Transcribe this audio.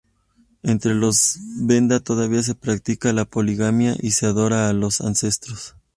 Entre los venda todavía se practica la poligamia y se adora a los ancestros.